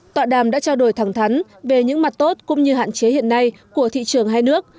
tọa đàm đã trao đổi thẳng thắn về những mặt tốt cũng như hạn chế hiện nay của thị trường hai nước